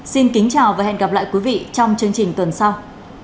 xin kính chào và hẹn gặp lại quý vị trong chương trình tuần sau